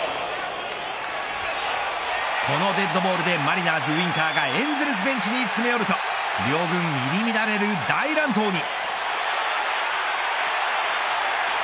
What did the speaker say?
このデッドボールでマリナーズ、ウインカーがエンゼルスベンチに詰め寄ると両軍入り乱れになる大乱闘に。